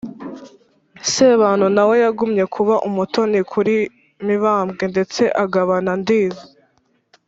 sebantu na we yagumye kuba umutoni kuri mibambwe ndetse agabana ndiza